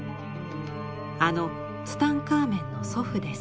あのツタンカーメンの祖父です。